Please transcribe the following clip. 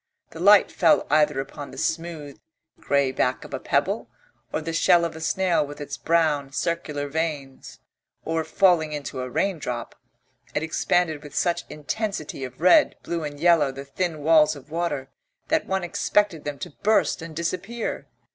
The light fell either upon the smooth, grey back of a pebble, or, the shell of a snail with its brown, circular veins, or falling into a raindrop, it expanded with such intensity of red, blue and yellow the thin walls of water that one expected them to burst and disappear.